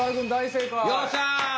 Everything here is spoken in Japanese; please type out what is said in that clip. よっしゃ！